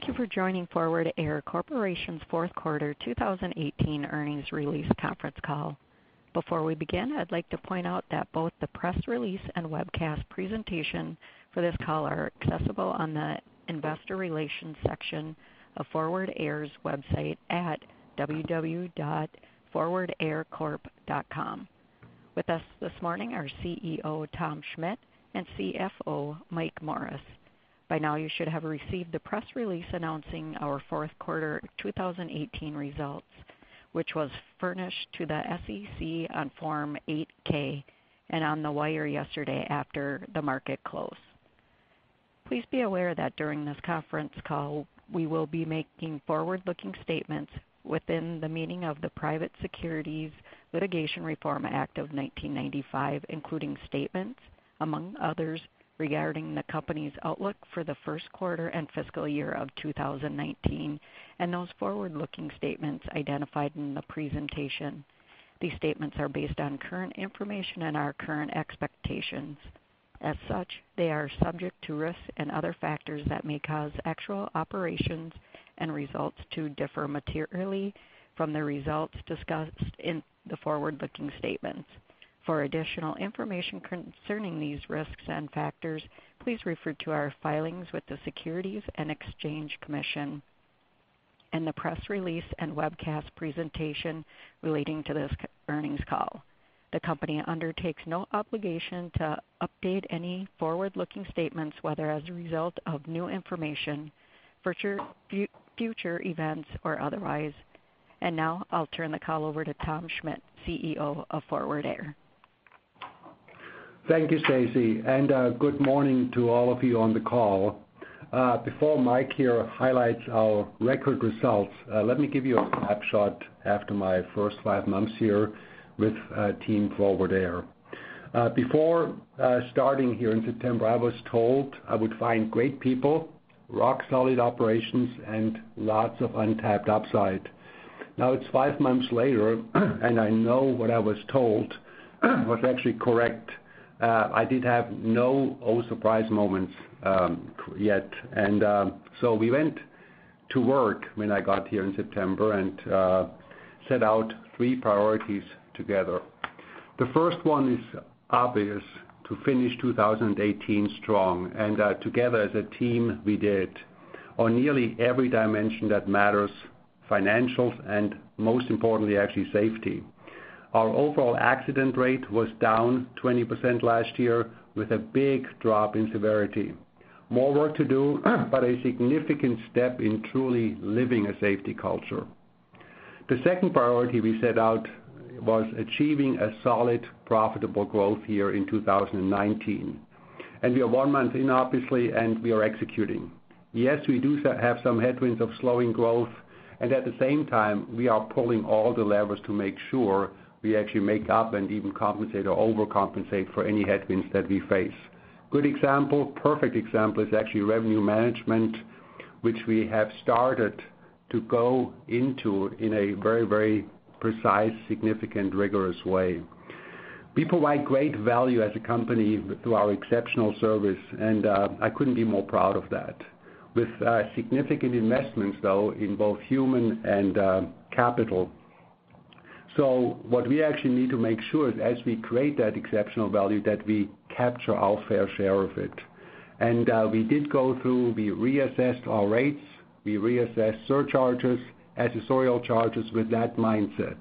Thank you for joining Forward Air Corporation's fourth quarter 2018 earnings release conference call. Before we begin, I'd like to point out that both the press release and webcast presentation for this call are accessible on the investor relations section of Forward Air's website at www.forwardaircorp.com. With us this morning are CEO, Tom Schmitt, and CFO, Mike Morris. By now, you should have received the press release announcing our fourth quarter 2018 results, which was furnished to the SEC on Form 8-K and on the wire yesterday after the market close. Please be aware that during this conference call, we will be making forward-looking statements within the meaning of the Private Securities Litigation Reform Act of 1995, including statements, among others, regarding the company's outlook for the first quarter and fiscal year of 2019, and those forward-looking statements identified in the presentation. These statements are based on current information and our current expectations. As such, they are subject to risks and other factors that may cause actual operations and results to differ materially from the results discussed in the forward-looking statements. For additional information concerning these risks and factors, please refer to our filings with the Securities and Exchange Commission and the press release and webcast presentation relating to this earnings call. The company undertakes no obligation to update any forward-looking statements, whether as a result of new information, future events, or otherwise. Now I'll turn the call over to Tom Schmitt, CEO of Forward Air. Thank you, Stacey, and good morning to all of you on the call. Before Mike here highlights our record results, let me give you a snapshot after my first five months here with Team Forward Air. Before starting here in September, I was told I would find great people, rock-solid operations, and lots of untapped upside. Now it's five months later, and I know what I was told was actually correct. I did have no surprise moments yet. So we went to work when I got here in September and set out three priorities together. The first one is obvious, to finish 2018 strong. Together as a team, we did. On nearly every dimension that matters, financials, and most importantly, actually safety. Our overall accident rate was down 20% last year with a big drop in severity. More work to do, but a significant step in truly living a safety culture. The second priority we set out was achieving a solid, profitable growth year in 2019. We are one month in, obviously, and we are executing. Yes, we do have some headwinds of slowing growth, and at the same time, we are pulling all the levers to make sure we actually make up and even compensate or overcompensate for any headwinds that we face. Good example, perfect example is actually revenue management, which we have started to go into in a very precise, significant, rigorous way. We provide great value as a company through our exceptional service, and I couldn't be more proud of that. With significant investments, though, in both human and capital. What we actually need to make sure is as we create that exceptional value, that we capture our fair share of it. We did go through, we reassessed our rates, we reassessed surcharges, accessorial charges with that mindset.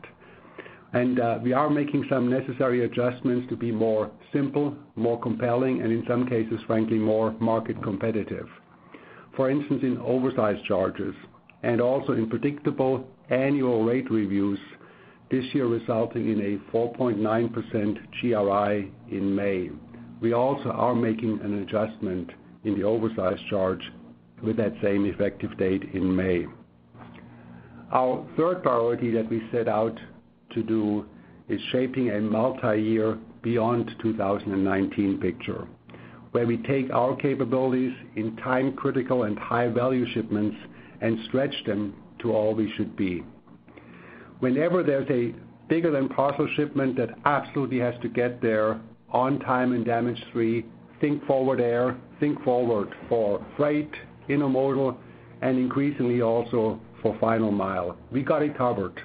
We are making some necessary adjustments to be more simple, more compelling, and in some cases, frankly, more market competitive. For instance, in oversized charges and also in predictable annual rate reviews this year resulting in a 4.9% GRI in May. We also are making an adjustment in the oversized charge with that same effective date in May. Our third priority that we set out to do is shaping a multi-year beyond 2019 picture, where we take our capabilities in time-critical and high-value shipments and stretch them to all they should be. Whenever there's a bigger-than-parcel shipment that absolutely has to get there on time and damage-free, think Forward Air, think Forward for freight, intermodal, and increasingly also for final mile. We got it covered.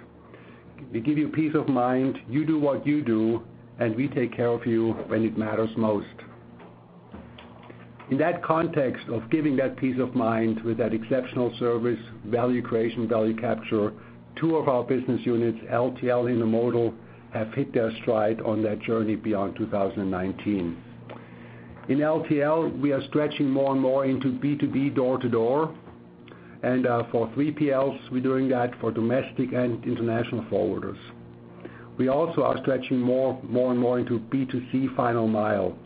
We give you peace of mind. You do what you do, and we take care of you when it matters most. In that context of giving that peace of mind with that exceptional service, value creation, value capture, two of our business units, LTL Intermodal, have hit their stride on that journey beyond 2019. In LTL, we are stretching more and more into B2B door-to-door. For 3PLs, we're doing that for domestic and international forwarders. We also are stretching more and more into B2C final mile.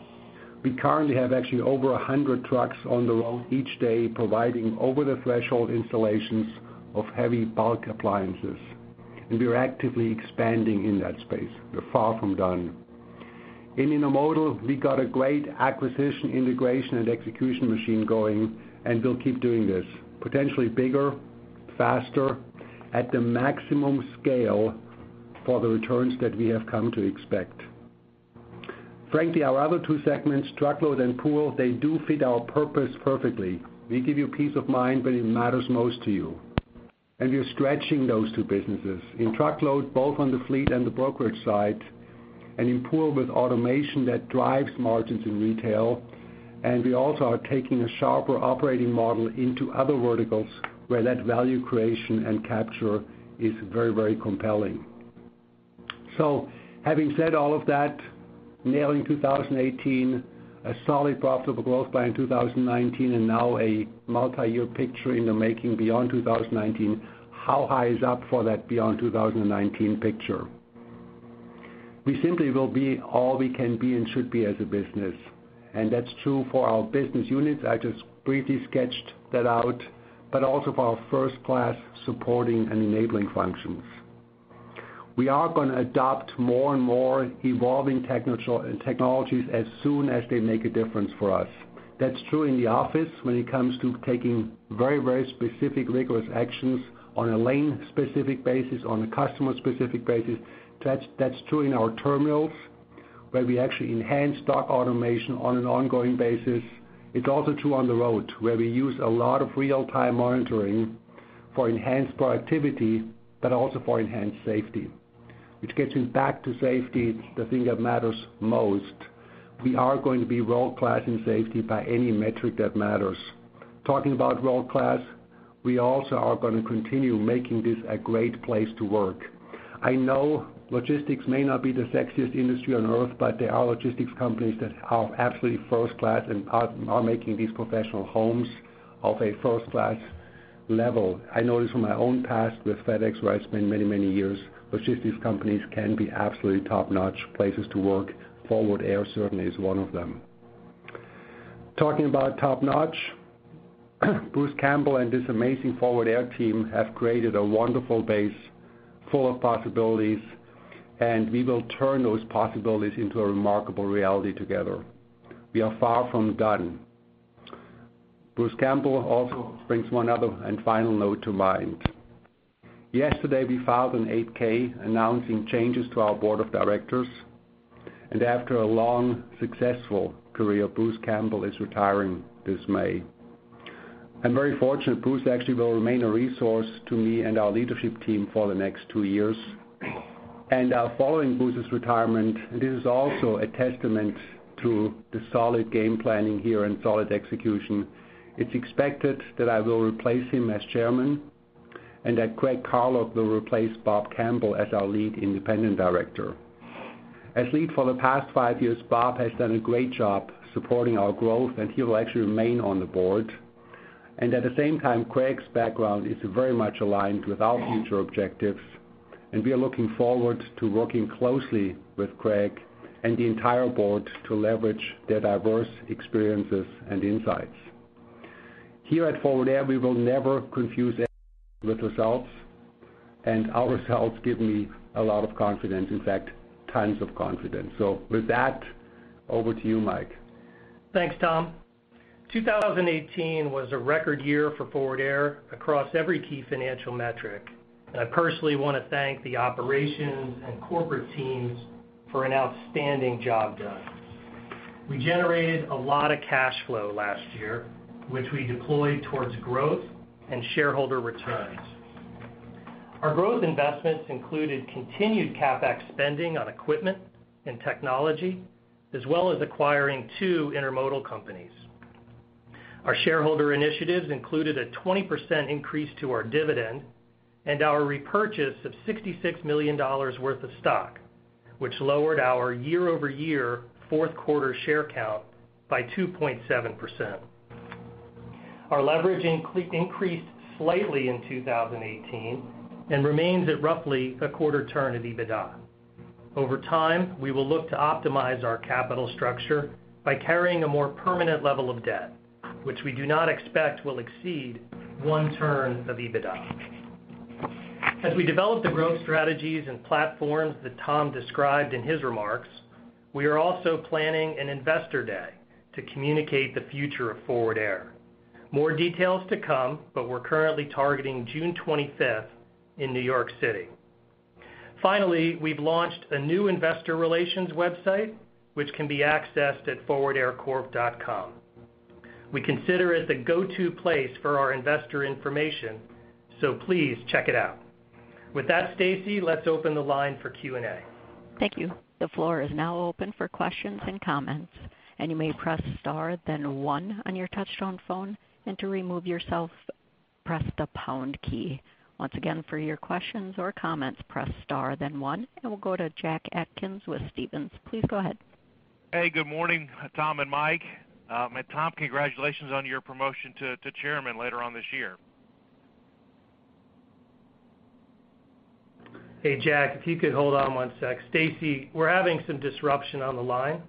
We currently have actually over 100 trucks on the road each day providing over-the-threshold installations of heavy bulk appliances, we are actively expanding in that space. We're far from done. In intermodal, we got a great acquisition, integration, and execution machine going, we'll keep doing this potentially bigger, faster at the maximum scale for the returns that we have come to expect. Frankly, our other two segments, truckload and pool, they do fit our purpose perfectly. We give you peace of mind when it matters most to you. We are stretching those two businesses. In truckload, both on the fleet and the brokerage side, and in pool with automation that drives margins in retail. We also are taking a sharper operating model into other verticals where that value creation and capture is very compelling. Having said all of that, nailing 2018, a solid profitable growth plan in 2019, and now a multi-year picture in the making beyond 2019, how high is up for that beyond 2019 picture? We simply will be all we can be and should be as a business, that's true for our business units. I just briefly sketched that out, also for our first-class supporting and enabling functions. We are going to adopt more and more evolving technologies as soon as they make a difference for us. That's true in the office when it comes to taking very specific, rigorous actions on a lane-specific basis, on a customer-specific basis. That's true in our terminals, where we actually enhance dock automation on an ongoing basis. It's also true on the road, where we use a lot of real-time monitoring for enhanced productivity, but also for enhanced safety. Which gets me back to safety, the thing that matters most. We are going to be world-class in safety by any metric that matters. Talking about world-class, we also are going to continue making this a great place to work. I know logistics may not be the sexiest industry on earth, but there are logistics companies that are absolutely first class and are making these professional homes of a first-class level. I know this from my own past with FedEx, where I spent many years. Logistics companies can be absolutely top-notch places to work. Forward Air certainly is one of them. Talking about top-notch, Bruce Campbell and this amazing Forward Air team have created a wonderful base full of possibilities. We will turn those possibilities into a remarkable reality together. We are far from done. Bruce Campbell also brings one other and final note to mind. Yesterday, we filed an 8-K announcing changes to our board of directors. After a long, successful career, Bruce Campbell is retiring this May. I'm very fortunate Bruce actually will remain a resource to me and our leadership team for the next two years. Following Bruce's retirement, this is also a testament to the solid game planning here and solid execution. It's expected that I will replace him as Chairman. Craig Carlock will replace Bob Campbell as our lead independent director. As lead for the past five years, Bob has done a great job supporting our growth. He will actually remain on the board. At the same time, Craig's background is very much aligned with our future objectives. We are looking forward to working closely with Craig and the entire board to leverage their diverse experiences and insights. Here at Forward Air, we will never confuse effort with results. Our results give me a lot of confidence. In fact, tons of confidence. With that, over to you, Mike. Thanks, Tom. 2018 was a record year for Forward Air across every key financial metric. I personally want to thank the operations and corporate teams for an outstanding job done. We generated a lot of cash flow last year, which we deployed towards growth and shareholder returns. Our growth investments included continued CapEx spending on equipment and technology, as well as acquiring two intermodal companies. Our shareholder initiatives included a 20% increase to our dividend and our repurchase of $66 million worth of stock, which lowered our year-over-year fourth quarter share count by 2.7%. Our leverage increased slightly in 2018 and remains at roughly a quarter turn of EBITDA. Over time, we will look to optimize our capital structure by carrying a more permanent level of debt, which we do not expect will exceed one turn of EBITDA. As we develop the growth strategies and platforms that Tom described in his remarks, we are also planning an investor day to communicate the future of Forward Air. More details to come, but we're currently targeting June 25th in New York City. Finally, we've launched a new investor relations website, which can be accessed at forwardaircorp.com. We consider it the go-to place for our investor information. Please check it out. With that, Stacey, let's open the line for Q&A. Thank you. The floor is now open for questions and comments. You may press star then one on your touchtone phone. To remove yourself, press the pound key. Once again, for your questions or comments, press star then one. We'll go to Jack Atkins with Stephens. Please go ahead. Hey, good morning, Tom and Mike. Tom, congratulations on your promotion to Chairman later on this year. Hey, Jack, if you could hold on one sec. Stacey, we're having some disruption on the line.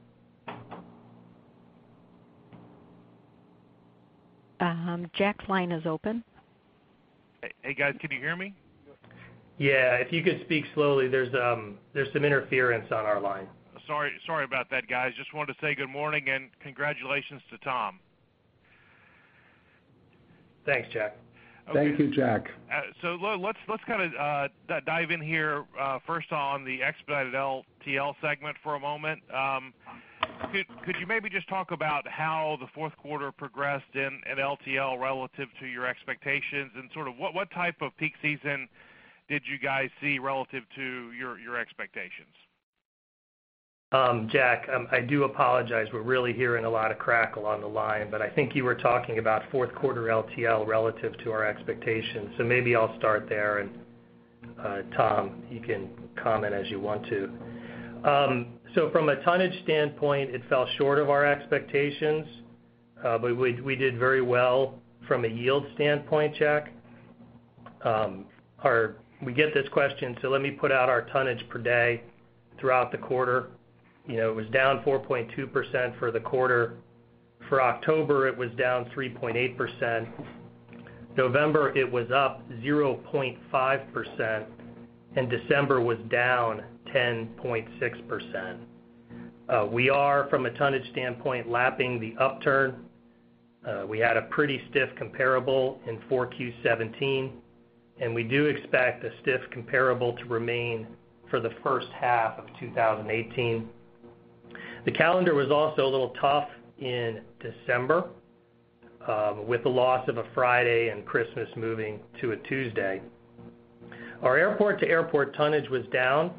Jack's line is open. Hey, guys, can you hear me? Yeah, if you could speak slowly, there's some interference on our line. Sorry about that, guys. Just wanted to say good morning and congratulations to Tom. Thanks, Jack. Thank you, Jack. Let's kind of dive in here, first on the Expedited LTL segment for a moment. Could you maybe just talk about how the fourth quarter progressed in LTL relative to your expectations, and what type of peak season did you guys see relative to your expectations? Jack, I do apologize. We're really hearing a lot of crackle on the line, but I think you were talking about fourth quarter LTL relative to our expectations. Maybe I'll start there, and Tom, you can comment as you want to. From a tonnage standpoint, it fell short of our expectations. We did very well from a yield standpoint, Jack. We get this question, so let me put out our tonnage per day throughout the quarter. It was down 4.2% for the quarter. For October, it was down 3.8%. November, it was up 0.5%, and December was down 10.6%. We are, from a tonnage standpoint, lapping the upturn. We had a pretty stiff comparable in 4Q 2017, and we do expect a stiff comparable to remain for the first half of 2018. The calendar was also a little tough in December, with the loss of a Friday, and Christmas moving to a Tuesday. Our airport-to-airport tonnage was down,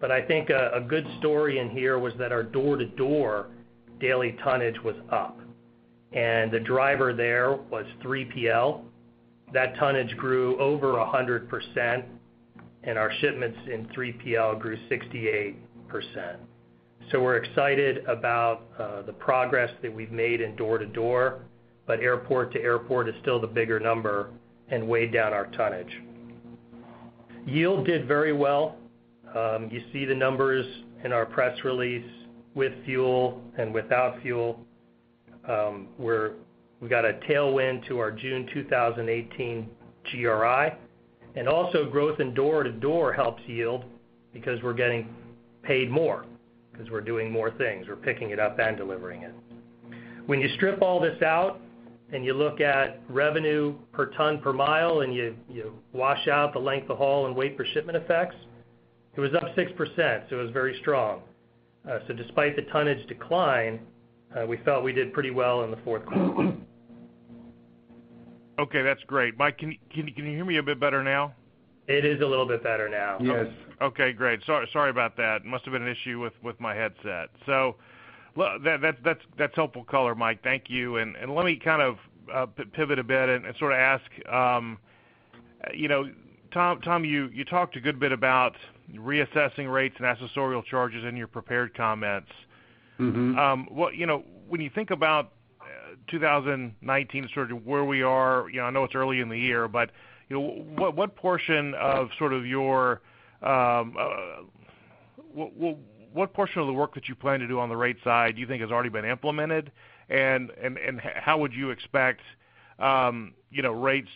but I think a good story in here was that our door-to-door daily tonnage was up, and the driver there was 3PL. That tonnage grew over 100%, and our shipments in 3PL grew 68%. We're excited about the progress that we've made in door-to-door. Airport-to-airport is still the bigger number and weighed down our tonnage. Yield did very well. You see the numbers in our press release with fuel and without fuel, where we got a tailwind to our June 2018 GRI. Also growth in door-to-door helps yield, because we're getting paid more, because we're doing more things. We're picking it up and delivering it. When you strip all this out and you look at revenue per ton per mile, and you wash out the length of haul and weight per shipment effects, it was up 6%, so it was very strong. Despite the tonnage decline, we felt we did pretty well in the fourth quarter. Okay, that's great. Mike, can you hear me a bit better now? It is a little bit better now. Yes. Okay, great. Sorry about that. It must have been an issue with my headset. That's helpful color, Mike. Thank you. Let me kind of pivot a bit and ask. Tom, you talked a good bit about reassessing rates and accessorial charges in your prepared comments. When you think about 2019, sort of where we are, I know it's early in the year, but what portion of the work that you plan to do on the rate side do you think has already been implemented? How would you expect rates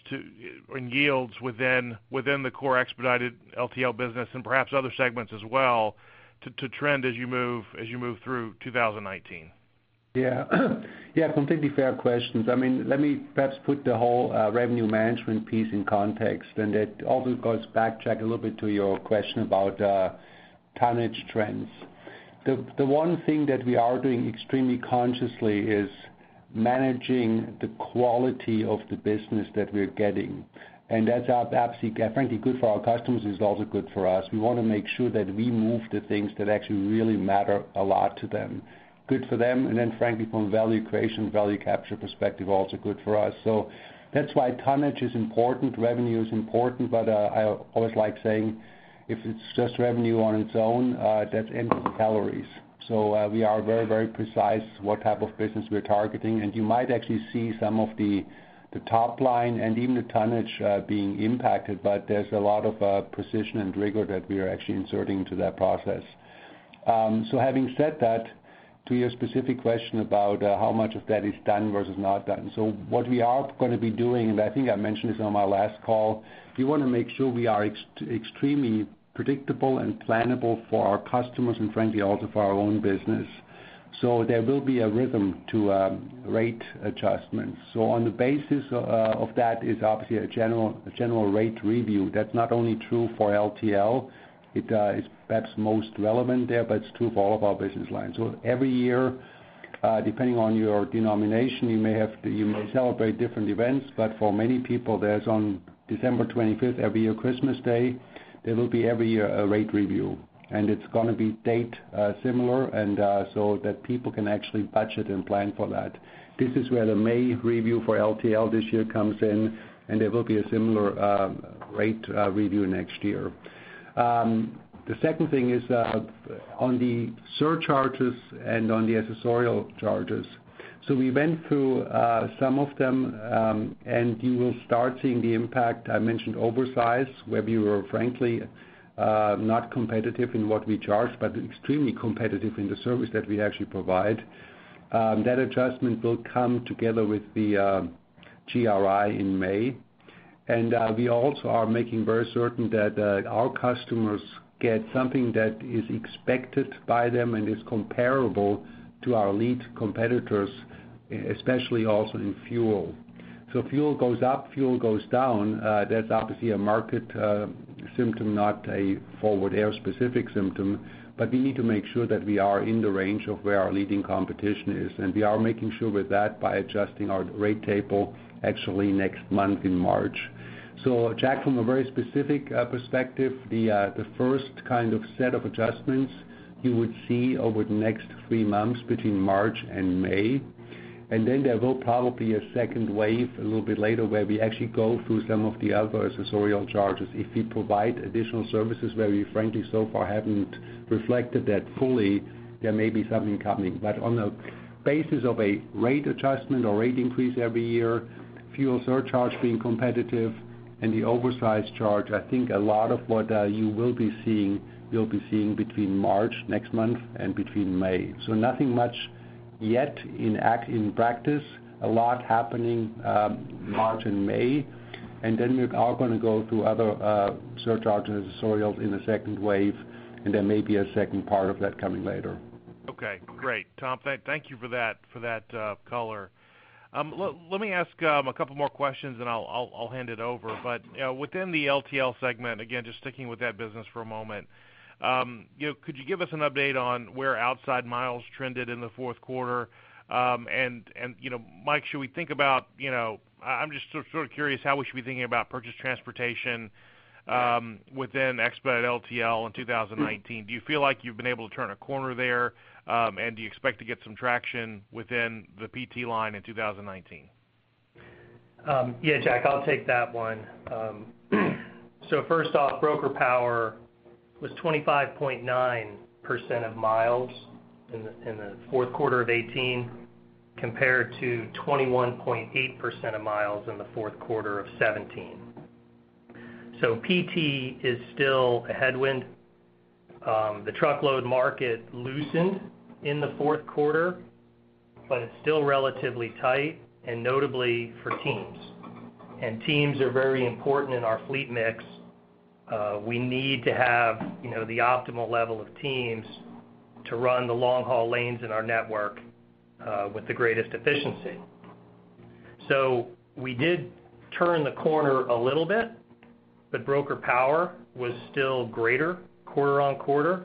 and yields within the core Expedited LTL business, and perhaps other segments as well, to trend as you move through 2019? Yeah. Yeah, completely fair questions. Let me perhaps put the whole revenue management piece in context, that also goes back, Jack, a little bit to your question about tonnage trends. The one thing that we are doing extremely consciously is managing the quality of the business that we're getting, that's absolutely, frankly, good for our customers, it's also good for us. We want to make sure that we move the things that actually really matter a lot to them, good for them, then frankly, from a value creation, value capture perspective, also good for us. That's why tonnage is important, revenue is important, but I always like saying, if it's just revenue on its own, that's empty calories. We are very precise what type of business we're targeting. You might actually see some of the top line and even the tonnage being impacted. There's a lot of precision and rigor that we are actually inserting to that process. Having said that, to your specific question about how much of that is done versus not done. What we are going to be doing, I think I mentioned this on my last call, we want to make sure we are extremely predictable and plannable for our customers, frankly, also for our own business. There will be a rhythm to rate adjustments. On the basis of that is obviously a general rate review. That's not only true for LTL. It is perhaps most relevant there, but it's true for all of our business lines. Every year, depending on your denomination, you may celebrate different events. For many people, there's on December 25th every year, Christmas Day, there will be every year a rate review. It's going to be date similar, that people can actually budget and plan for that. This is where the May review for LTL this year comes in, there will be a similar rate review next year. The second thing is on the surcharges and on the accessorial charges. We went through some of them, you will start seeing the impact. I mentioned oversize, where we were frankly, not competitive in what we charge, but extremely competitive in the service that we actually provide. That adjustment will come together with the GRI in May. We also are making very certain that our customers get something that is expected by them and is comparable to our lead competitors, especially also in fuel. Fuel goes up, fuel goes down, that's obviously a market symptom, not a Forward Air specific symptom. We need to make sure that we are in the range of where our leading competition is. We are making sure with that by adjusting our rate table actually next month in March. Jack, from a very specific perspective, the first kind of set of adjustments you would see over the next three months between March and May. Then there will probably a second wave a little bit later where we actually go through some of the other accessorial charges. If we provide additional services where we frankly so far haven't reflected that fully, there may be something coming. On the basis of a rate adjustment or rate increase every year, fuel surcharge being competitive and the oversize charge, I think a lot of what you will be seeing, you'll be seeing between March next month and between May. Nothing much yet in practice. A lot happening, March and May. We are going to go through other surcharges, accessorials in the second wave, there may be a second part of that coming later. Okay, great, Tom. Thank you for that color. Let me ask a couple more questions then I'll hand it over. Within the LTL segment, again, just sticking with that business for a moment, could you give us an update on where outside miles trended in the fourth quarter? Mike, I'm just sort of curious how we should be thinking about purchase transportation within Expedited LTL in 2019. Do you feel like you've been able to turn a corner there? Do you expect to get some traction within the PT line in 2019? Jack, I'll take that one. First off, broker power was 25.9% of miles in the fourth quarter of 2018 compared to 21.8% of miles in the fourth quarter of 2017. PT is still a headwind. The truckload market loosened in the fourth quarter, but it is still relatively tight, and notably for teams. Teams are very important in our fleet mix. We need to have the optimal level of teams to run the long haul lanes in our network with the greatest efficiency. We did turn the corner a little bit, but broker power was still greater quarter-on-quarter.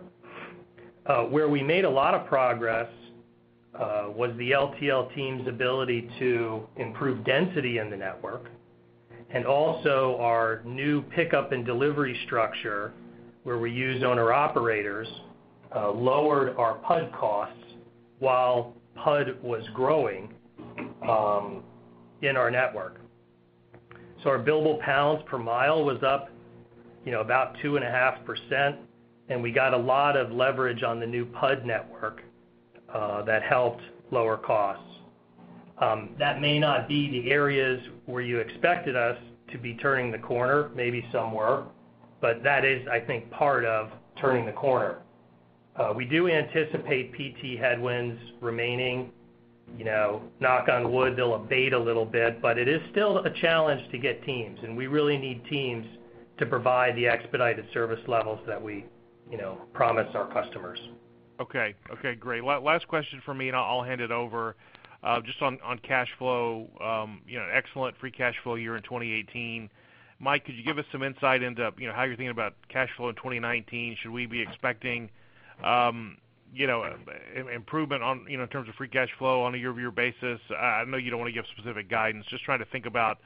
Where we made a lot of progress was the LTL team's ability to improve density in the network, and also our new pickup and delivery structure where we use owner-operators, lowered our PUD costs while PUD was growing in our network. Our billable pounds per mile was up about 2.5%, and we got a lot of leverage on the new PUD network that helped lower costs. That may not be the areas where you expected us to be turning the corner, maybe somewhere, but that is, I think, part of turning the corner. We do anticipate PT headwinds remaining. Knock on wood, they'll abate a little bit, but it is still a challenge to get teams, and we really need teams to provide the expedited service levels that we promise our customers. Okay, great. Last question from me, and I'll hand it over. Just on cash flow, excellent free cash flow year in 2018. Mike, could you give us some insight into how you're thinking about cash flow in 2019? Should we be expecting improvement in terms of free cash flow on a year-over-year basis? I know you don't want to give specific guidance. Just trying to think about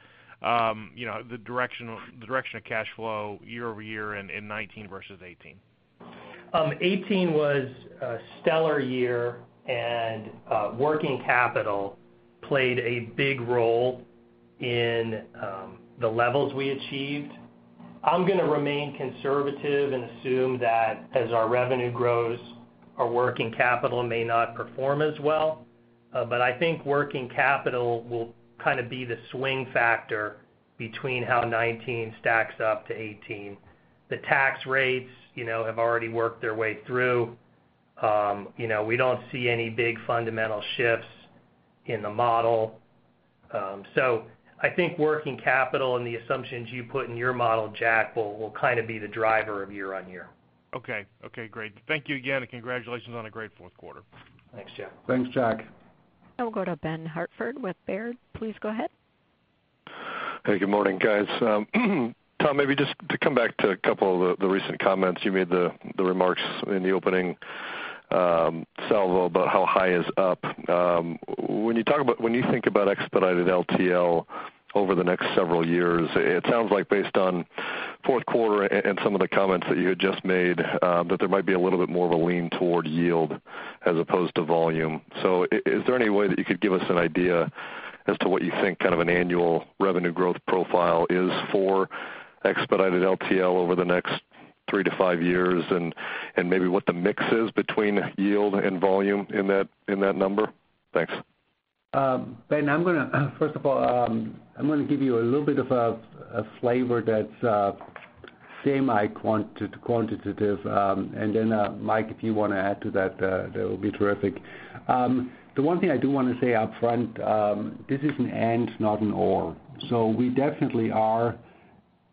the direction of cash flow year-over-year in 2019 versus 2018. 2018 was a stellar year, and working capital played a big role in the levels we achieved. I'm going to remain conservative and assume that as our revenue grows, our working capital may not perform as well. I think working capital will be the swing factor between how 2019 stacks up to 2018. The tax rates have already worked their way through. We don't see any big fundamental shifts in the model. I think working capital and the assumptions you put in your model, Jack, will be the driver of year-on-year. Okay, great. Thank you again, and congratulations on a great fourth quarter. Thanks, Jack. Thanks, Jack. We will go to Ben Hartford with Baird. Please go ahead. Hey, good morning, guys. Tom, maybe just to come back to a couple of the recent comments you made, the remarks in the opening salvo about how high is up. When you think about Expedited LTL over the next several years, it sounds like based on fourth quarter and some of the comments that you had just made, that there might be a little bit more of a lean toward yield as opposed to volume. Is there any way that you could give us an idea as to what you think an annual revenue growth profile is for Expedited LTL over the next three-five years? Maybe what the mix is between yield and volume in that number? Thanks. Ben, first of all, I'm going to give you a little bit of a flavor that, Mike, quantitative. Then, Mike, if you want to add to that would be terrific. The one thing I do want to say upfront, this is an and not an or. We definitely are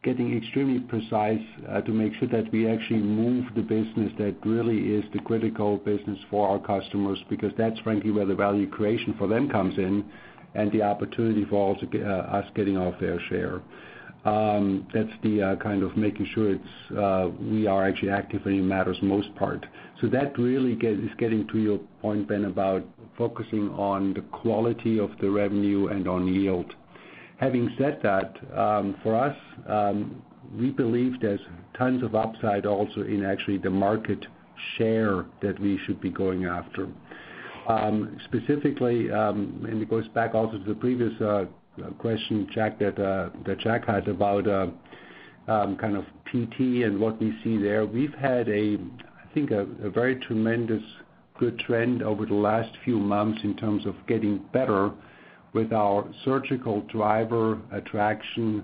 getting extremely precise to make sure that we actually move the business that really is the critical business for our customers, because that's frankly where the value creation for them comes in and the opportunity for us getting our fair share. That's the kind of making sure we are actually actively matters most part. That really is getting to your point, Ben, about focusing on the quality of the revenue and on yield. Having said that, for us, we believe there's tons of upside also in actually the market share that we should be going after. Specifically, it goes back also to the previous question, Jack, that Jack had about kind of PT and what we see there. We've had, I think a very tremendous good trend over the last few months in terms of getting better with our surgical driver attraction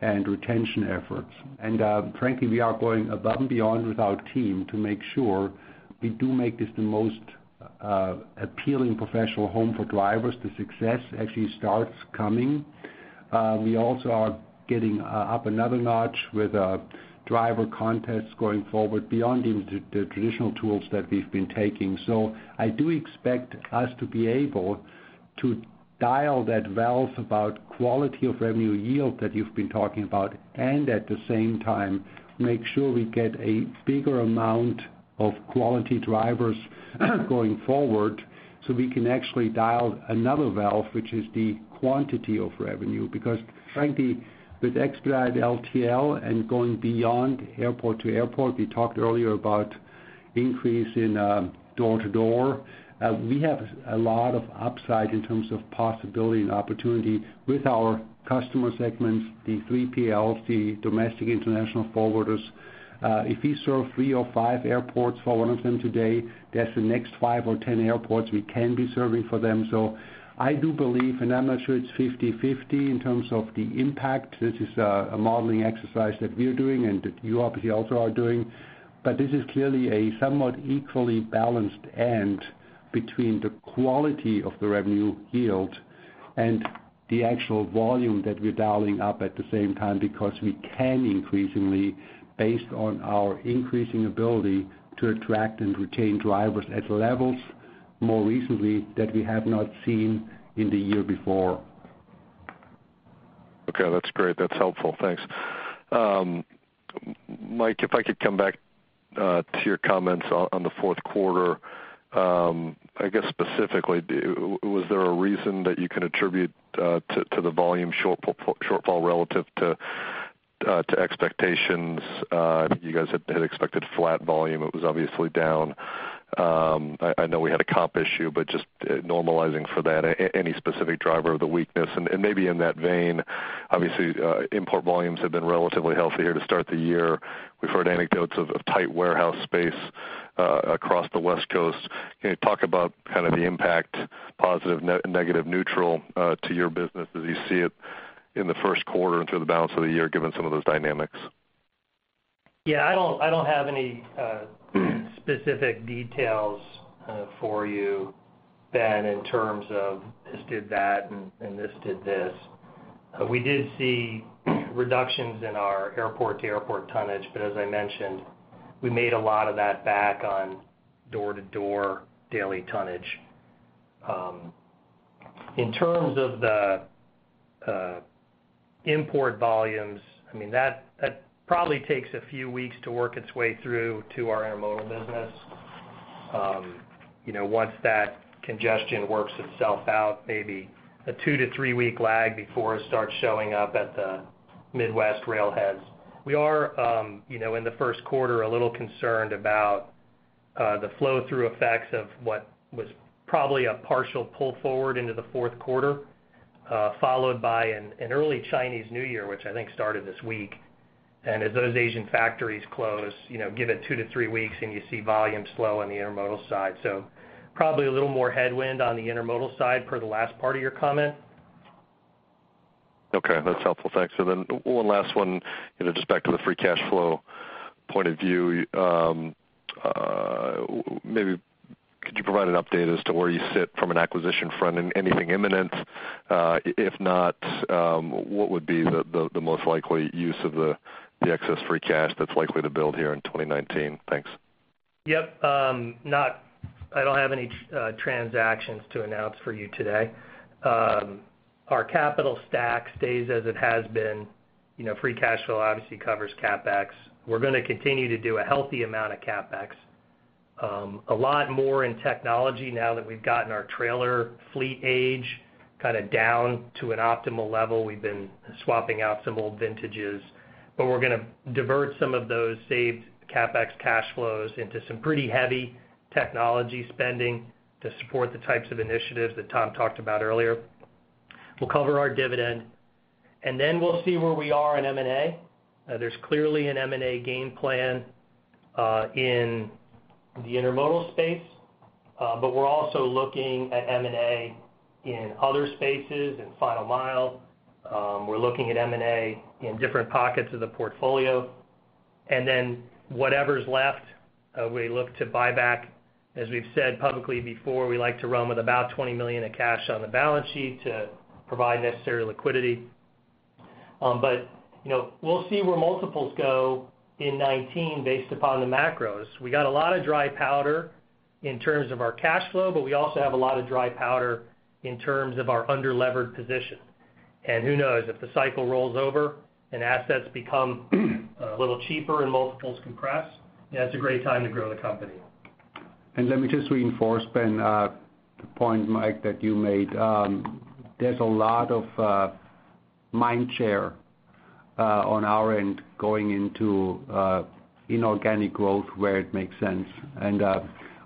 and retention efforts. Frankly, we are going above and beyond with our team to make sure we do make this the most appealing professional home for drivers. The success actually starts coming. We also are getting up another notch with driver contests going forward beyond even the traditional tools that we've been taking. I do expect us to be able to dial that valve about quality of revenue yield that you've been talking about, and at the same time, make sure we get a bigger amount of quality drivers going forward so we can actually dial another valve, which is the quantity of revenue. Frankly, with Expedited LTL and going beyond airport to airport, we talked earlier about increase in door to door. We have a lot of upside in terms of possibility and opportunity with our customer segments, the 3PLs, the domestic international forwarders. If we serve three or five airports for one of them today, there's the next five or 10 airports we can be serving for them. I do believe, and I'm not sure it's 50/50 in terms of the impact. This is a modeling exercise that we are doing and that you obviously also are doing. This is clearly a somewhat equally balanced between the quality of the revenue yield and the actual volume that we're dialing up at the same time because we can increasingly, based on our increasing ability to attract and retain drivers at levels more recently that we have not seen in the year before. Okay, that's great. That's helpful. Thanks. Mike, if I could come back to your comments on the fourth quarter. I guess specifically, was there a reason that you can attribute to the volume shortfall relative to expectations? You guys had expected flat volume. It was obviously down. I know we had a comp issue, but just normalizing for that, any specific driver of the weakness? Maybe in that vein, obviously, import volumes have been relatively healthy here to start the year. We've heard anecdotes of tight warehouse space across the West Coast. Can you talk about kind of the impact, positive, negative, neutral to your business as you see it in the first quarter and through the balance of the year, given some of those dynamics? Yeah, I don't have any specific details for you, Ben, in terms of this did that and this did this. We did see reductions in our airport-to-airport tonnage. As I mentioned, we made a lot of that back on door-to-door daily tonnage. In terms of the import volumes, that probably takes a few weeks to work its way through to our intermodal business. Once that congestion works itself out, maybe a two to three-week lag before it starts showing up at the Midwest rail heads. We are in the first quarter, a little concerned about the flow-through effects of what was probably a partial pull forward into the fourth quarter, followed by an early Chinese New Year, which I think started this week. As those Asian factories close, give it two to three weeks, and you see volumes slow on the intermodal side. Probably a little more headwind on the intermodal side per the last part of your comment. Okay, that's helpful. Thanks. One last one, just back to the free cash flow point of view. Maybe could you provide an update as to where you sit from an acquisition front and anything imminent? If not, what would be the most likely use of the excess free cash that's likely to build here in 2019? Thanks. Yep. I don't have any transactions to announce for you today. Our capital stack stays as it has been. Free cash flow obviously covers CapEx. We're going to continue to do a healthy amount of CapEx. A lot more in technology now that we've gotten our trailer fleet age kind of down to an optimal level. We've been swapping out some old vintages, but we're going to divert some of those saved CapEx cash flows into some pretty heavy technology spending to support the types of initiatives that Tom talked about earlier. We'll cover our dividend, and then we'll see where we are in M&A. There's clearly an M&A game plan in the intermodal space. We're also looking at M&A in other spaces, in final mile. We're looking at M&A in different pockets of the portfolio. Whatever's left, we look to buy back. As we've said publicly before, we like to run with about $20 million of cash on the balance sheet to provide necessary liquidity. We'll see where multiples go in 2019 based upon the macros. We got a lot of dry powder in terms of our cash flow, but we also have a lot of dry powder in terms of our under-levered position. Who knows? If the cycle rolls over and assets become a little cheaper and multiples compress, that's a great time to grow the company. Let me just reinforce, Ben, the point, Mike, that you made. There's a lot of mind share on our end going into inorganic growth where it makes sense.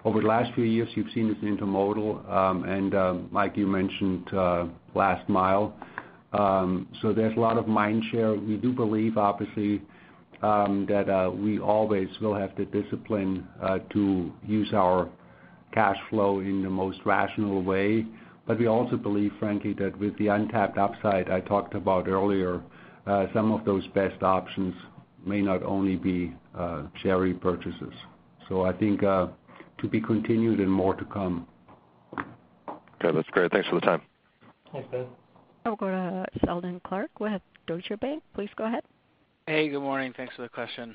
Over the last few years, you've seen this intermodal, and Mike, you mentioned last mile. There's a lot of mind share. We do believe obviously, that we always will have the discipline to use our cash flow in the most rational way. We also believe, frankly, that with the untapped upside I talked about earlier, some of those best options may not only be share repurchases. I think, to be continued and more to come. Okay. That's great. Thanks for the time. Thanks, Ben. We'll go to Seldon Clarke with Deutsche Bank. Please go ahead. Hey, good morning. Thanks for the question.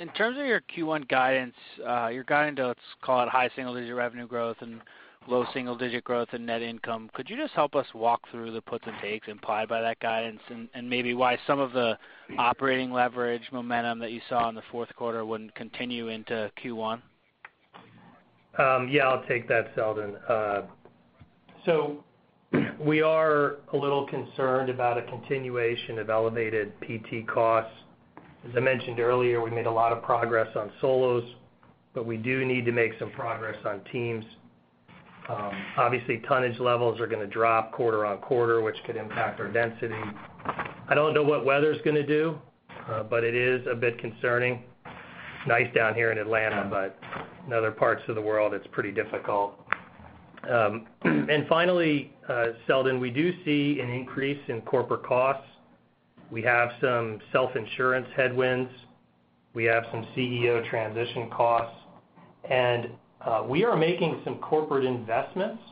In terms of your Q1 guidance, your guidance, let's call it high single-digit revenue growth and low single-digit growth in net income. Could you just help us walk through the puts and takes implied by that guidance, and maybe why some of the operating leverage momentum that you saw in the fourth quarter wouldn't continue into Q1? Yeah, I'll take that, Seldon. We are a little concerned about a continuation of elevated PT costs. As I mentioned earlier, we made a lot of progress on solos, but we do need to make some progress on teams. Obviously, tonnage levels are going to drop quarter-on-quarter, which could impact our density. I don't know what weather's going to do, but it is a bit concerning. Nice down here in Atlanta, but in other parts of the world, it's pretty difficult. Finally, Seldon, we do see an increase in corporate costs. We have some self-insurance headwinds. We have some CEO transition costs. We are making some corporate investments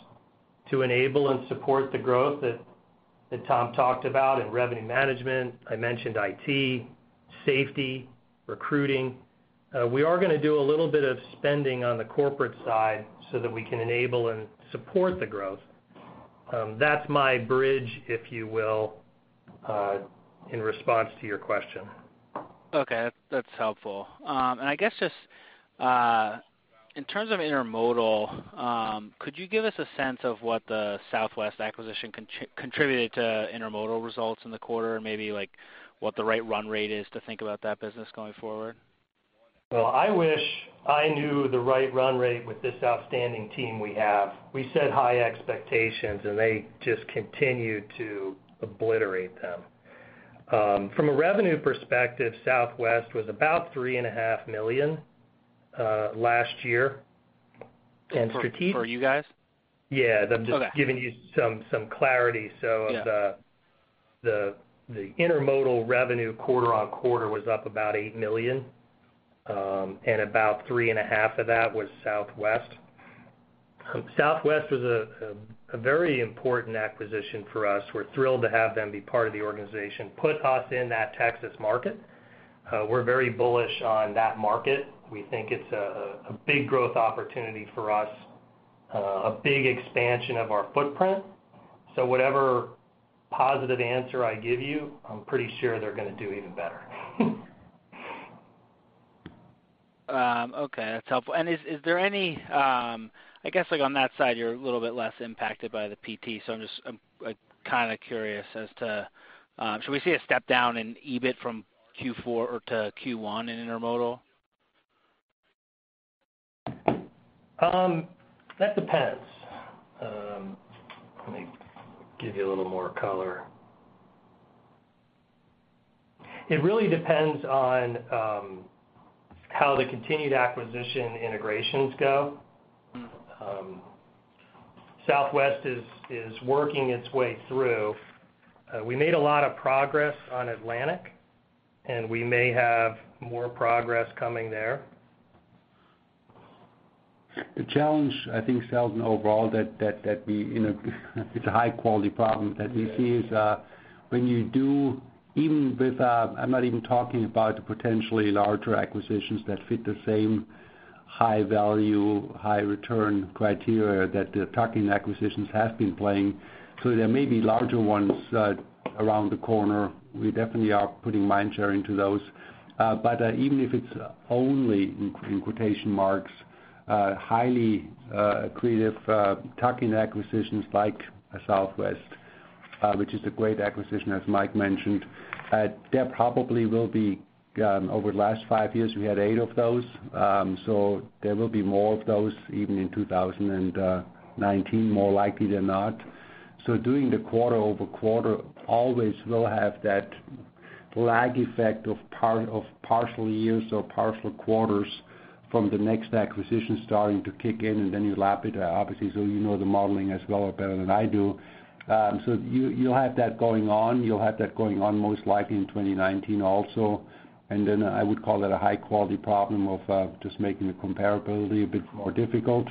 to enable and support the growth that Tom talked about in revenue management. I mentioned IT, safety, recruiting. We are going to do a little bit of spending on the corporate side so that we can enable and support the growth. That's my bridge, if you will, in response to your question. Okay. That's helpful. I guess just in terms of intermodal, could you give us a sense of what the Southwest acquisition contributed to intermodal results in the quarter, and maybe what the right run rate is to think about that business going forward? Well, I wish I knew the right run rate with this outstanding team we have. We set high expectations, they just continue to obliterate them. From a revenue perspective, Southwest was about $3.5 million last year. For you guys? I'm just giving you some clarity. The intermodal revenue quarter-on-quarter was up about $8 million, and about $3.5 million of that was Southwest. Southwest was a very important acquisition for us. We're thrilled to have them be part of the organization. Put us in that Texas market. We're very bullish on that market. We think it's a big growth opportunity for us, a big expansion of our footprint. Whatever positive answer I give you, I'm pretty sure they're going to do even better. Okay, that's helpful. Is there any I guess on that side, you're a little bit less impacted by the PT, I'm just curious as to, should we see a step down in EBIT from Q4 to Q1 in intermodal? That depends. Let me give you a little more color. It really depends on how the continued acquisition integrations go. Southwest is working its way through. We made a lot of progress on Atlantic, we may have more progress coming there. The challenge, I think, Seldon, overall, it's a high-quality problem that we see is when you do, I'm not even talking about the potentially larger acquisitions that fit the same high value, high return criteria that the tuck-in acquisitions have been playing. There may be larger ones around the corner. We definitely are putting mind share into those. Even if it's only, in quotation marks, highly accretive tuck-in acquisitions like Southwest, which is a great acquisition as Mike mentioned. There probably will be. Over the last five years, we had eight of those. There will be more of those even in 2019, more likely than not. Doing the quarter-over-quarter always will have that lag effect of partial years or partial quarters from the next acquisition starting to kick in, and then you lap it, obviously. You know the modeling as well or better than I do. You'll have that going on. You'll have that going on most likely in 2019 also. I would call it a high-quality problem of just making the comparability a bit more difficult.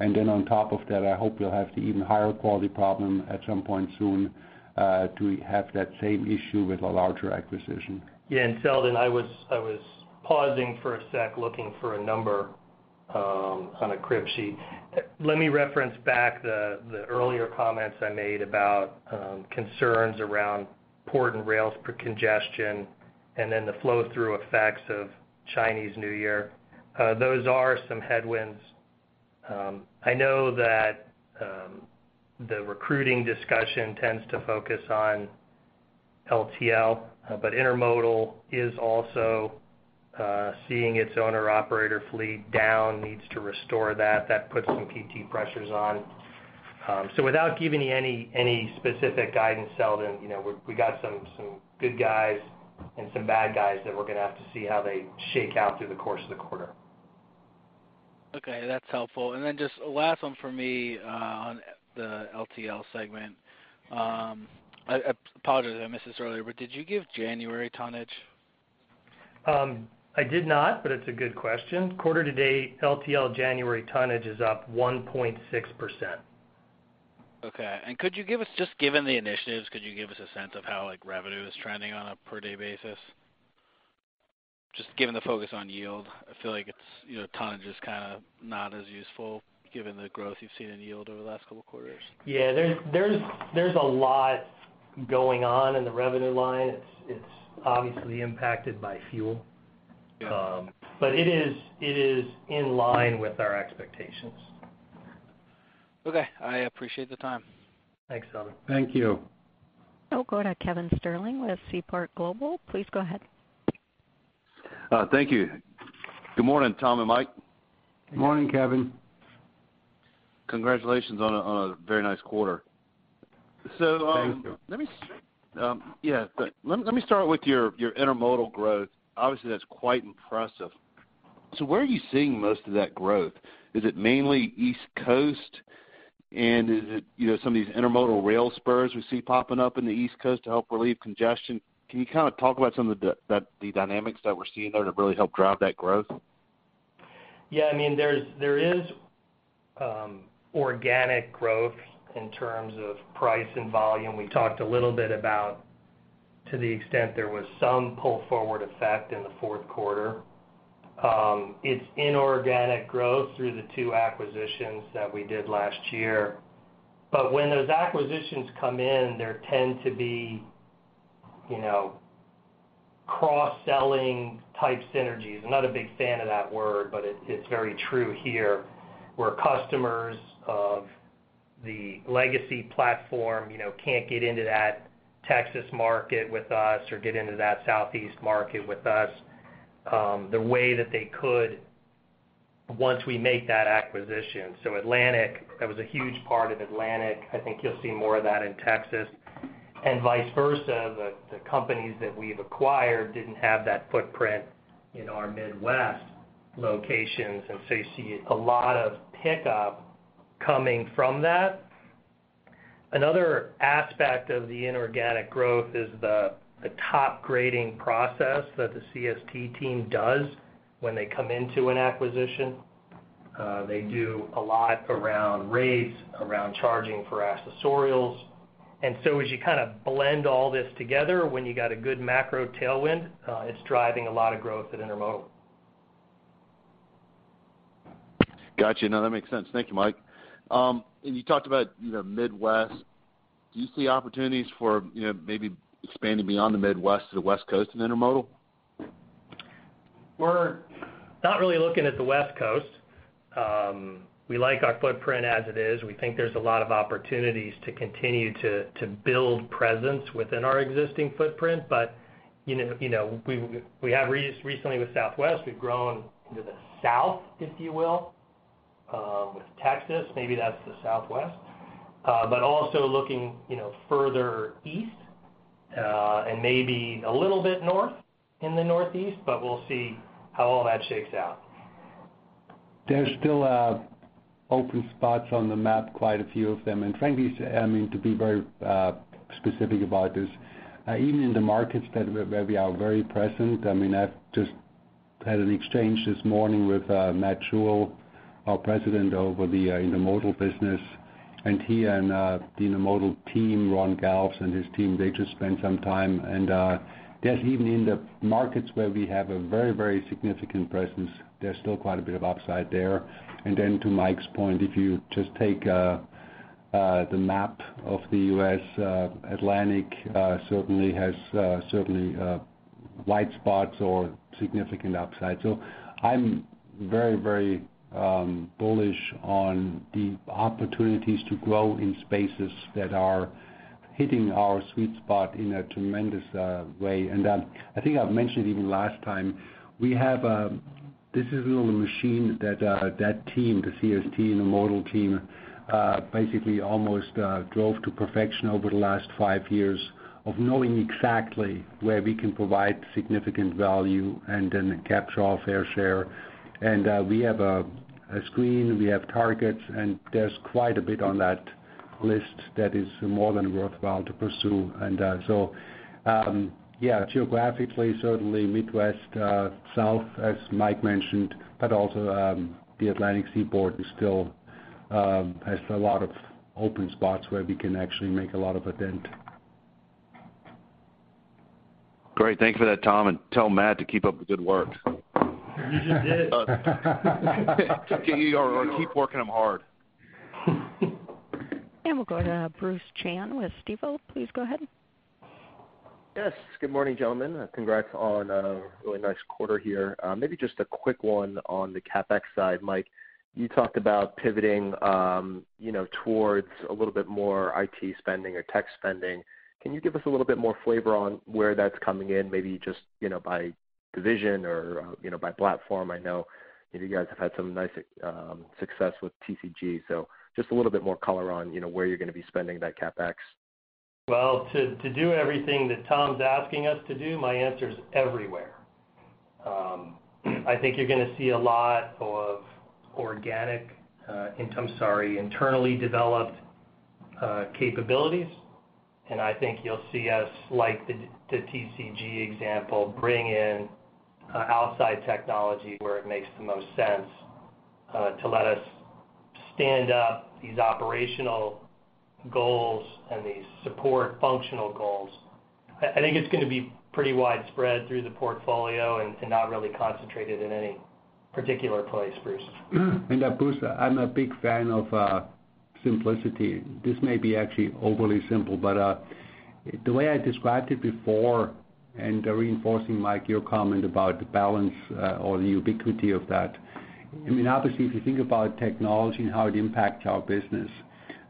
On top of that, I hope you'll have the even higher quality problem at some point soon to have that same issue with a larger acquisition. Seldon, I was pausing for a sec looking for a number on a crib sheet. Let me reference back the earlier comments I made about concerns around port and rails congestion, the flow-through effects of Chinese New Year. Those are some headwinds. I know that the recruiting discussion tends to focus on LTL, but intermodal is also seeing its owner-operator fleet down, needs to restore that. That puts some PT pressures on. Without giving you any specific guidance, Seldon, we got some good guys and some bad guys that we're going to have to see how they shake out through the course of the quarter. Okay, that's helpful. Just a last one for me on the LTL segment. Apologies, I missed this earlier, did you give January tonnage? I did not, it's a good question. Quarter to date, LTL January tonnage is up 1.6%. Okay. Just given the initiatives, could you give us a sense of how revenue is trending on a per day basis? Just given the focus on yield, I feel like tonnage is kind of not as useful given the growth you've seen in yield over the last couple of quarters. Yeah. There's a lot going on in the revenue line. It's obviously impacted by fuel. It is in line with our expectations. Okay. I appreciate the time. Thanks, Seldon. Thank you. We'll go to Kevin Sterling with Seaport Global. Please go ahead. Thank you. Good morning, Tom and Mike. Morning, Kevin. Congratulations on a very nice quarter. Thank you. Yeah. Let me start with your intermodal growth. Obviously, that's quite impressive. Where are you seeing most of that growth? Is it mainly East Coast? Is it some of these intermodal rail spurs we see popping up in the East Coast to help relieve congestion? Can you kind of talk about some of the dynamics that we're seeing there that really help drive that growth? Yeah. There is organic growth in terms of price and volume. We talked a little bit about to the extent there was some pull-forward effect in the fourth quarter. It's inorganic growth through the two acquisitions that we did last year. When those acquisitions come in, there tend to be cross-selling type synergies. I'm not a big fan of that word, but it's very true here, where customers of the legacy platform can't get into that Texas market with us or get into that Southeast market with us the way that they could once we make that acquisition. Atlantic, that was a huge part of Atlantic. I think you'll see more of that in Texas and vice versa. The companies that we've acquired didn't have that footprint in our Midwest locations. You see a lot of pickup coming from that. Another aspect of the inorganic growth is the top-grading process that the CST team does when they come into an acquisition. They do a lot around rates, around charging for accessorials. As you kind of blend all this together, when you got a good macro tailwind, it's driving a lot of growth at Intermodal. Got you. No, that makes sense. Thank you, Mike. You talked about Midwest. Do you see opportunities for maybe expanding beyond the Midwest to the West Coast in intermodal? We're not really looking at the West Coast. We like our footprint as it is. We think there's a lot of opportunities to continue to build presence within our existing footprint. We have recently with Southwest, we've grown into the South, if you will, with Texas. Maybe that's the Southwest. Also looking further east, and maybe a little bit north in the Northeast, but we'll see how all that shakes out. There's still open spots on the map, quite a few of them. Frankly, to be very specific about this, even in the markets where we are very present, I've just had an exchange this morning with Matt Jewell, our President over the Intermodal business. He and the intermodal team, Ron Gause and his team, they just spent some time. Just even in the markets where we have a very significant presence, there's still quite a bit of upside there. To Mike's point, if you just take the map of the U.S., Atlantic certainly has white spots or significant upside. I'm very bullish on the opportunities to grow in spaces that are hitting our sweet spot in a tremendous way. I think I've mentioned even last time, we have This is a little machine that team, the CST and the intermodal team, basically almost drove to perfection over the last five years of knowing exactly where we can provide significant value and then capture our fair share. We have a screen, we have targets, there's quite a bit on that list that is more than worthwhile to pursue. Geographically, certainly Midwest, South, as Mike mentioned, but also, the Atlantic Seaboard still has a lot of open spots where it can actually make a lot of dent. Great. Thank you for that, Tom, tell Matt to keep up the good work. He just did. Keep working him hard. We'll go to Bruce Chan with Stifel. Please go ahead. Yes. Good morning, gentlemen. Congrats on a really nice quarter here. Maybe just a quick one on the CapEx side. Mike, you talked about pivoting towards a little bit more IT spending or tech spending. Can you give us a little bit more flavor on where that's coming in, maybe just by division or by platform? I know you guys have had some nice success with TCG, so just a little bit more color on where you're going to be spending that CapEx. Well, to do everything that Tom's asking us to do, my answer is everywhere. I think you're going to see a lot of internally developed capabilities, and I think you'll see us, like the TCG example, bring in outside technology where it makes the most sense, to let us stand up these operational goals and these support functional goals. I think it's going to be pretty widespread through the portfolio and not really concentrated in any particular place, Bruce. Bruce, I'm a big fan of simplicity. This may be actually overly simple, but the way I described it before, and reinforcing, Mike, your comment about the balance or the ubiquity of that. Obviously, if you think about technology and how it impacts our business,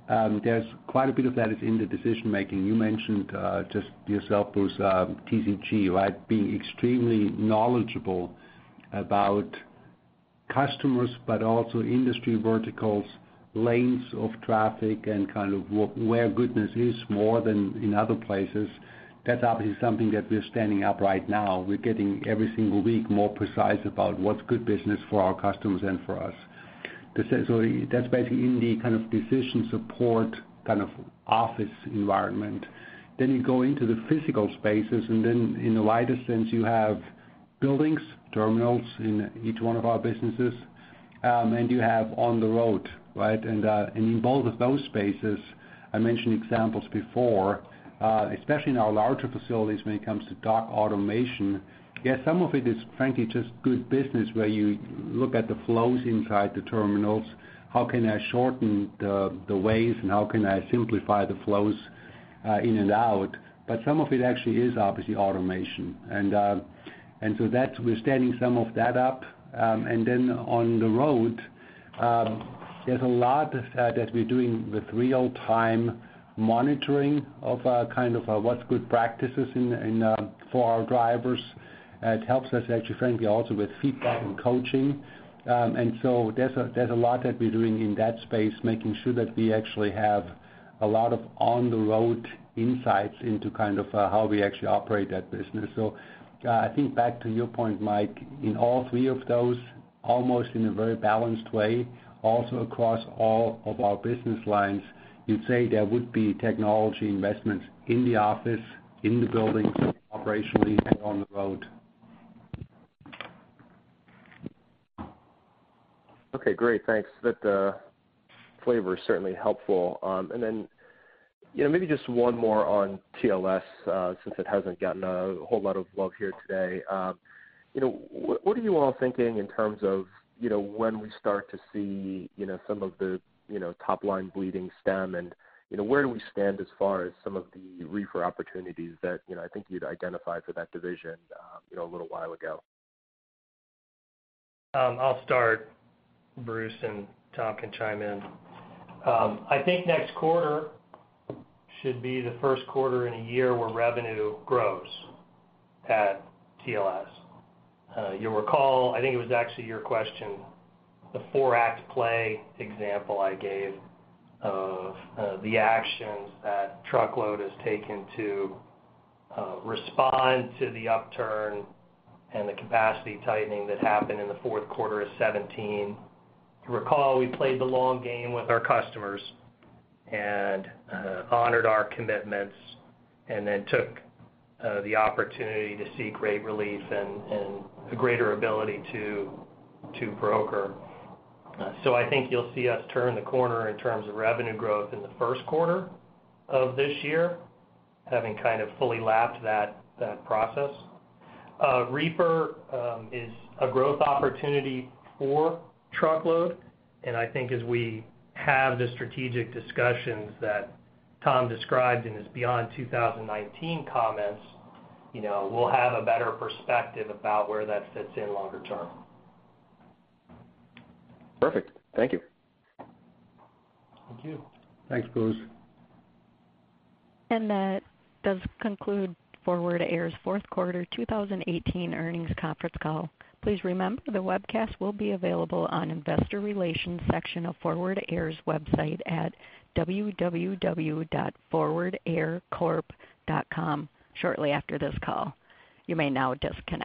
there's quite a bit of that is in the decision-making. You mentioned just yourself, Bruce, TCG, right? Being extremely knowledgeable about customers, but also industry verticals, lanes of traffic, and kind of where goodness is more than in other places. That's obviously something that we're standing up right now. We're getting every single week more precise about what's good business for our customers and for us. That's basically in the kind of decision support office environment. You go into the physical spaces, in the wider sense, you have buildings, terminals in each one of our businesses, and you have on the road, right? In both of those spaces, I mentioned examples before, especially in our larger facilities when it comes to dock automation. Yes, some of it is frankly, just good business, where you look at the flows inside the terminals, how can I shorten the ways and how can I simplify the flows in and out? Some of it actually is obviously automation. That, we're standing some of that up. On the road, there's a lot that we're doing with real-time monitoring of what's good practices for our drivers. It helps us actually, frankly, also with feedback and coaching. There's a lot that we're doing in that space, making sure that we actually have a lot of on-the-road insights into how we actually operate that business. I think back to your point, Mike, in all three of those, almost in a very balanced way, also across all of our business lines, you'd say there would be technology investments in the office, in the building operationally, and on the road. Okay, great. Thanks. That flavor is certainly helpful. Maybe just one more on TLS, since it hasn't gotten a whole lot of love here today. What are you all thinking in terms of when we start to see some of the top-line bleeding stem, and where do we stand as far as some of the reefer opportunities that I think you'd identified for that division a little while ago? I'll start. Bruce and Tom can chime in. I think next quarter should be the first quarter in a year where revenue grows at TLS. You'll recall, I think it was actually your question, the four-act play example I gave of the actions that truckload has taken to respond to the upturn and the capacity tightening that happened in the fourth quarter of 2017. You recall we played the long game with our customers and honored our commitments and then took the opportunity to seek rate relief and the greater ability to broker. I think you'll see us turn the corner in terms of revenue growth in the first quarter of this year, having kind of fully lapped that process. Reefer is a growth opportunity for truckload. I think as we have the strategic discussions that Tom described in his beyond 2019 comments, we'll have a better perspective about where that fits in longer term. Perfect. Thank you. Thank you. Thanks, Bruce. That does conclude Forward Air's fourth quarter 2018 earnings conference call. Please remember, the webcast will be available on Investor Relations section of Forward Air's website at www.forwardaircorp.com shortly after this call. You may now disconnect.